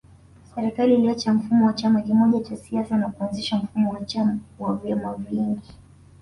Serikali iliacha mfumo wa chama kimoja cha siasa na kuanzisha mfumo wa vyama vingi